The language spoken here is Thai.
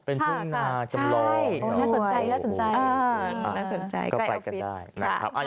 เป็นพรุ่งจำลองน่าสนใจก็ไปกันได้